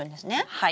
はい。